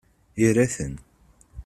Ira-ten.